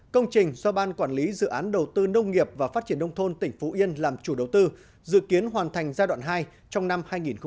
công trình do ban quản lý dự án đầu tư nông nghiệp và phát triển nông thôn tỉnh phú yên làm chủ đầu tư dự kiến hoàn thành giai đoạn hai trong năm hai nghìn hai mươi